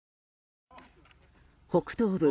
北東部